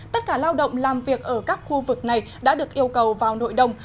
tất cả lao động làm việc ở các khu vực này đã được yêu cầu vào nội đồng